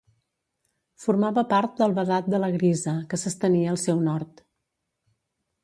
Formava part del Vedat de la Grisa, que s'estenia al seu nord.